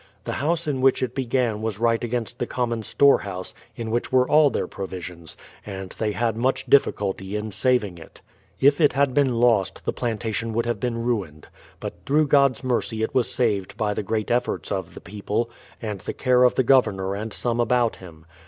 The house in which it began was right against the common storehouse, in which were all their provisions; and they had much diffi culty in saving it. If it had been lost, the plantation would have been ruined. But through God's mercy it was saved by the great efforts of the people, and the care of the Governor and some about him.